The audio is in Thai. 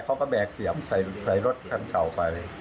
เขาก็แบกเสียมใส่รถคันเก่าไป